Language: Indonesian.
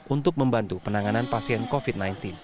untuk membantu penanganan pasien covid sembilan belas